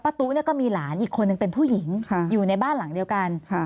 ตู้เนี่ยก็มีหลานอีกคนนึงเป็นผู้หญิงอยู่ในบ้านหลังเดียวกัน